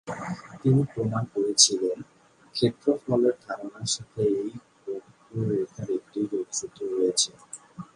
তিনি প্রমাণ করেছিলেন ক্ষেত্রফলের ধারনার সাথে এই বক্ররেখার একটি যোগসূত্র রয়েছে।